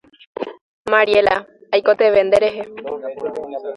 Mariela, aikotevẽ nderehe.